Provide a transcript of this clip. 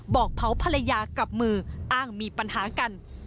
บอกเผาภรรยากับมืออ้างมีปัญหากัน